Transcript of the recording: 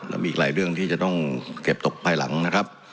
แล้วมีอีกหลายเรื่องที่จะต้องเก็บตกภายหลังนะครับ